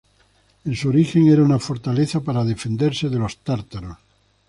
En su origen era una fortaleza para defenderse de los tártaros.